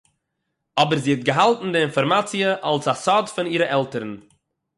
אָבער זי האָט געהאַלטן די אינפאָרמאַציע אַלס אַ סוד פון אירע עלטערן